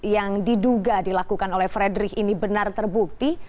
yang diduga dilakukan oleh frederick ini benar terbukti